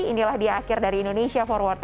inilah dia akhir dari indonesia for world